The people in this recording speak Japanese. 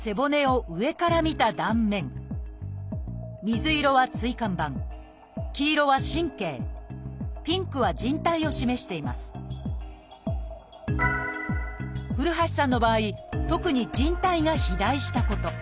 水色は椎間板黄色は神経ピンクはじん帯を示しています古橋さんの場合特にじん帯が肥大したこと。